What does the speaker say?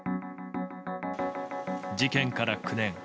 事件から９年。